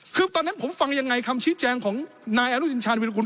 คือตอนนั้นผมฟังยังไงคำชี้แจงของนายอนุทินชาญวิรากุ